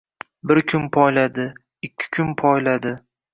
Bir kun poyladi, ikki kun poyladi.